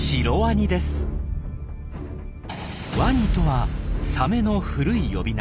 「ワニ」とはサメの古い呼び名。